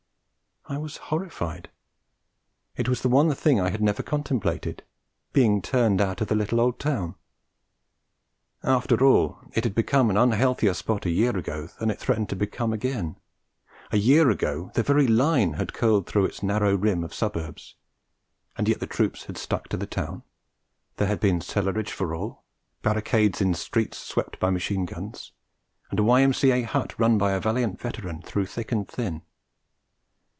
I was horrified. It was the one thing I had never contemplated, being turned out of the little old town! After all, it had been an unhealthier spot a year ago than it yet threatened to become again. A year ago the very Line had curled through its narrow rim of suburbs; and yet the troops had stuck to the town; there had been cellarage for all, barricades in streets swept by machine guns, and a Y.M.C.A. hut run by a valiant veteran through thick and thin.